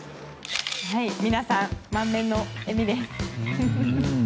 皆さん満面の笑みです。